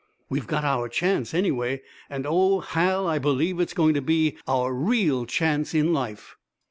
"We've got our chance, anyway. And, oh, Hal! I believe it's going to be our real chance in life!"